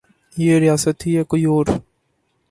یہ ریاست تھی یا کوئی اور؟